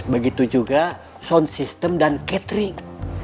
begitu juga sound system dan catering